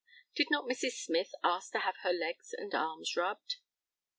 Did not Mrs. Smyth ask to have her legs and arms rubbed?